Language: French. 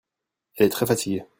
Elle est très fatiguée.